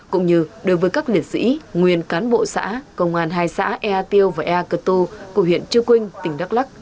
cũng như đối với các liệt sĩ nguyên cán bộ xã công an hai xã ea tiêu và ea cơ tu của huyện chư quynh tỉnh đắk lắc